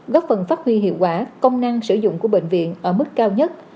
góp phần phát huy hiệu quả công năng sử dụng của bệnh viện ở mức cao nhất